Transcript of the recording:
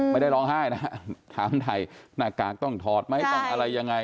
ไม่ได้ร้องไห้นะถามถ่ายหน้ากากต้องถอดไหมต้องอะไรยังไง